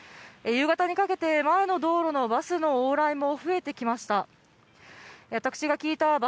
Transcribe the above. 夕方にかけて、前の道路のバスの往来も増えてきました。